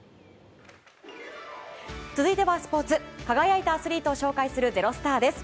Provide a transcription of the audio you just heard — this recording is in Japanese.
続いてはスポーツ輝いたアスリートを紹介する「＃ｚｅｒｏｓｔａｒ」です。